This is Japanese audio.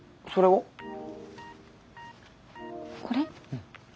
うん。